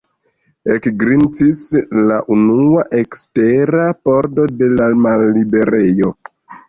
Ekgrincis la unua ekstera pordo de la malliberejo.